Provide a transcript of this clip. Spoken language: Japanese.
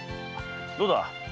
どうだ？